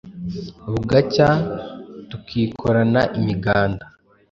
Bugacya tukikorana imiganda.